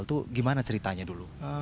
itu gimana ceritanya dulu